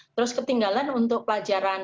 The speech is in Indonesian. terus ketinggalan untuk pelajaran